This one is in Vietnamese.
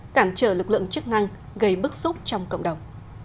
cản trở lực lượng chức năng gây bức xúc trong cộng đồng